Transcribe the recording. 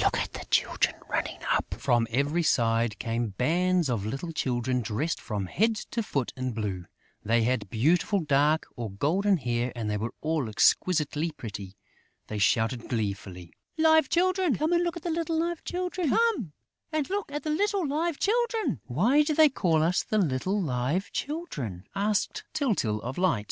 Look at the children running up!" From every side came bands of little children dressed from head to foot in blue; they had beautiful dark or golden hair and they were all exquisitely pretty. They shouted gleefully: "Live Children!... Come and look at the little Live Children!" "Why do they call us the little Live Children?" asked Tyltyl, of Light.